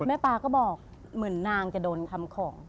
ปลาก็บอกเหมือนนางจะโดนทำของ